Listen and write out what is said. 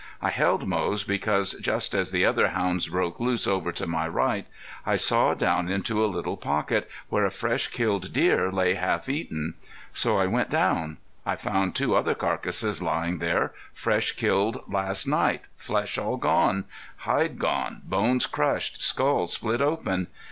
I held Moze because just as the other hounds broke loose over to my right, I saw down into a little pocket where a fresh killed deer lay half eaten. So I went down. I found two other carcasses layin' there, fresh killed last night, flesh all gone, hide gone, bones crushed, skull split open.